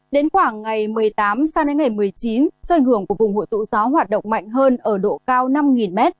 đến khoảng ngày một mươi tám sang đến ngày một mươi chín do ảnh hưởng của vùng hội tụ gió hoạt động mạnh hơn ở độ cao năm m